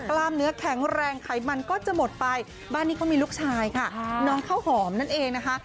กล้ามเนื้อแข็งแรงไขมันก็จะหมดไปบ้านนี้เขามีลูกชายค่ะน้องข้าวหอมนั่นเองนะคะ